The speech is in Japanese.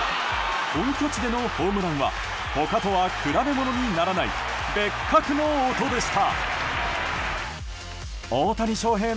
本拠地でのホームランは他とは比べ物にならない別格の音でした。